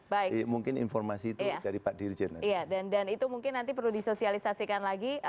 baik mungkin informasi itu dari pak dirjen dan itu mungkin nanti perlu disosialisasikan lagi